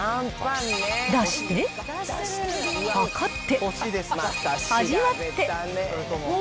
出して、量って、味わって。